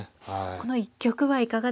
この一局はいかがでしたか。